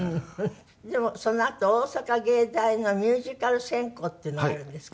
でもそのあと大阪芸大のミュージカル専攻っていうのがあるんですか？